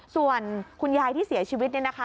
ส่วนคุณยายที่เสียชีวิตเนี่ยนะคะ